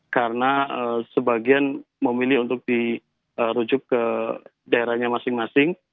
karena sebagian memilih untuk dirujuk ke daerahnya masing masing